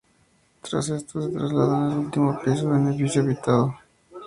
Tras esto, se trasladan al último piso de un edificio habitado por otros perros.